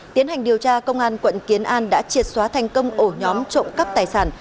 tiến hành điều tra công an quận kiến an đã triệt xóa thành công ổ nhóm trộm cắp tài sản